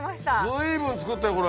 随分作ったよこれ。